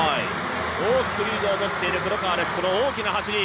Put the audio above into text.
大きくリードをとっている黒川です、この大きな走り。